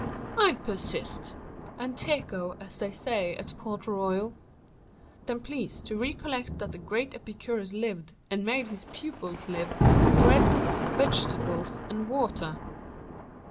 "I persist,—anteco, as they say at Port Royal." "Then please to recollect that the great Epicurus lived, and made his pupils live, upon bread, vegetables, and water."